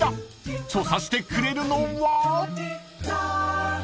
［調査してくれるのは］